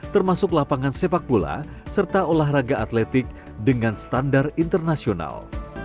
termasuk lapangan sepak bola serta olahraga atletik dengan standar internasional